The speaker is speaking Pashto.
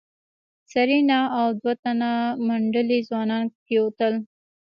سېرېنا او دوه تنه منډلي ځوانان کېوتل.